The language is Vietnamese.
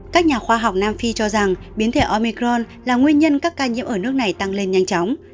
các nhà khoa học nam phi cho rằng biến thể omicron là nguyên nhân các ca nhiễm ở nước này tăng lên nhanh chóng